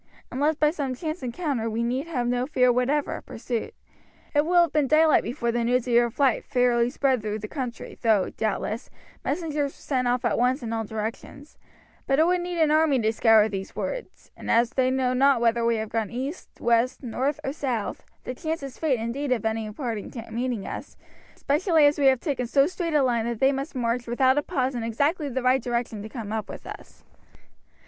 Unless by some chance encounter we need have no fear whatever of pursuit. It will have been daylight before the news of your flight fairly spread through the country, though, doubtless, messengers were sent off at once in all directions; but it would need an army to scour these woods, and as they know not whether we have gone east, west, north, or south, the chance is faint indeed of any party meeting us, especially as we have taken so straight a line that they must march without a pause in exactly the right direction to come up with us."